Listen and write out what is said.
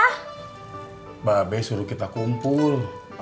mba be suruh kita kumpul